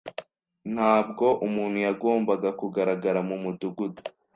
Ntabwo umuntu yagombaga kugaragara mumudugudu.